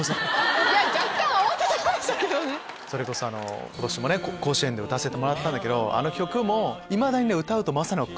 それこそ今年も甲子園で歌わせてもらったんだけどあの曲も。